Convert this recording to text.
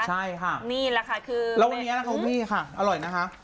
ใช่ค่ะนี่แหละค่ะคือแล้ววันนี้นะคะพี่ค่ะอร่อยนะคะ